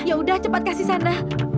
yaudah cepat kasih sana